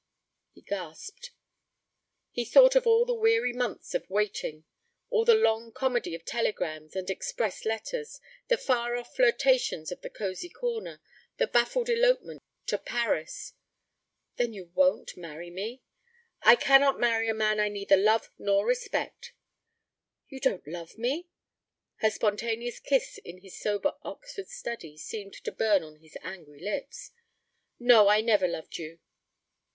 He gasped. He thought of all the weary months of waiting, all the long comedy of telegrams and express letters, the far off flirtations of the cosy corner, the baffled elopement to Paris. 'Then you won't marry me?' 'I cannot marry a man I neither love nor respect.' 'You don't love me!' Her spontaneous kiss in his sober Oxford study seemed to burn on his angry lips. 'No, I never loved you.'